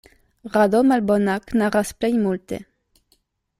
Rado malbona knaras plej multe.